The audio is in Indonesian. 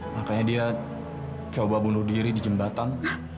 makanya dia coba bunuh diri di jembatan